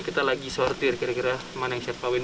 kita lagi sortir kira kira mana yang siap dikawinkan